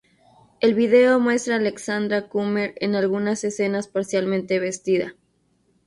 El video muestra a Alexandra Kummer en algunas escenas parcialmente vestida.